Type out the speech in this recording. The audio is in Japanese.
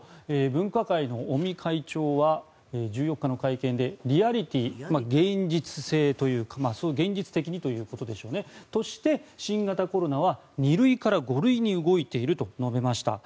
分科会の尾身会長は１４日の会見でリアリティー、現実性という現実的にということでしょうねそういうことで新型コロナは２類から５類に動いていると述べました。